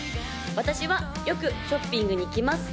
私はよくショッピングに行きます